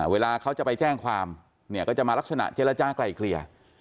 เวลาเขาจะไปแจ้งความเนี่ยก็จะมาลักษณะเจรจากลายเกลี่ย